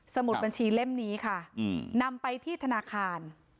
มุดบัญชีเล่มนี้ค่ะนำไปที่ธนาคาร